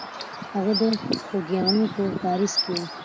هغه د خوګیاڼیو په کارېز کې وه.